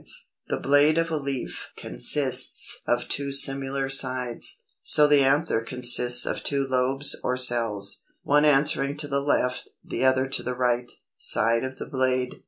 The blade of a leaf consists of two similar sides; so the anther consists of two LOBES or CELLS, one answering to the left, the other to the right, side of the blade.